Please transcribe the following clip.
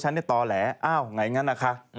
ฉันเนี่ยตอแหลอ้าวไงงั้นอะคะ